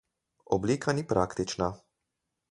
Oblika ni praktična.